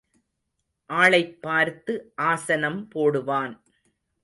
ஆளைப் பார்த்து ஆசனம் போடுவான்.